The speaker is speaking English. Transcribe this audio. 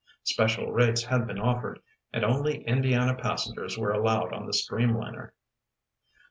Special rates had been offered, and only Indiana passengers were allowed on the streamliner.